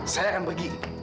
saya akan pergi